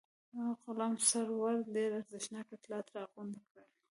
غلام سرور ډېر ارزښتناک اطلاعات راغونډ کړل.